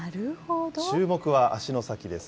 注目は脚の先です。